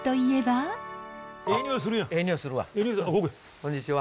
こんにちは。